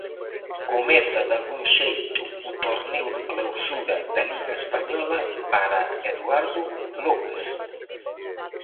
Comeza dalgún xeito o torneo de clausura da Liga Española para Eduardo López.